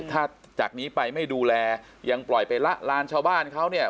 ถ้าจากนี้ไปไม่ดูแลยังปล่อยไปละลานชาวบ้านเขาเนี่ย